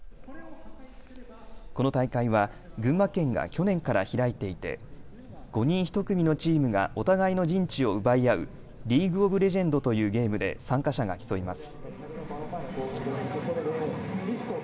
この大会は群馬県が去年から開いていて５人１組のチームがお互いの陣地を奪い合うリーグ・オブ・レジェンドというゲームで参加者が競います。